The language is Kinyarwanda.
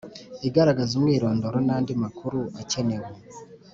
igaragaza umwirondoro nandi makuru akenewe